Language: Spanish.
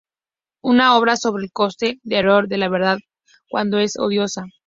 Una obra sobre el coste de airear la verdad cuando es odiosa.